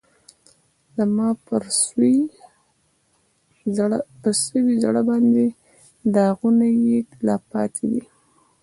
زما پر سوي زړه باندې داغونه یې لا پاتی دي